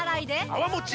泡もち